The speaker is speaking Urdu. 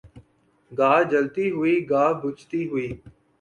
گاہ جلتی ہوئی گاہ بجھتی ہوئی